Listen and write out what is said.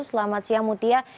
selamat siang mutia